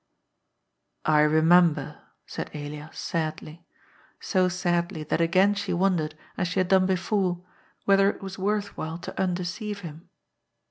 " I remember," said Elias sadly, so sadly that again she wondered, as she had done before, whether it was worth while to undeceive him.